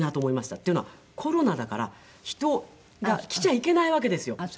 というのはコロナだから人が来ちゃいけないわけですよ。